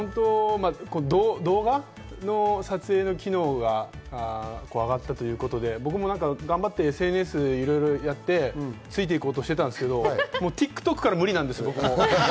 動画の撮影の機能が加わったということで僕も頑張ってＳＮＳやってついて行こうとしてたんですけれども、もうＴｉｋＴｏｋから無理なんですよ。